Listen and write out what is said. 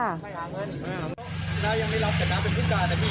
นายยังไม่รับแต่น่าเป็นผู้การนะพี่